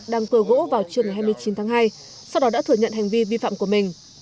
đang cười gỗ vào trưa ngày hai mươi chín tháng hai sau đó đã thừa nhận hành vi vi phạm của mình